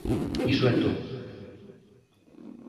Iso é todo.